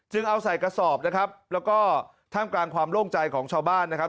เอาใส่กระสอบนะครับแล้วก็ท่ามกลางความโล่งใจของชาวบ้านนะครับ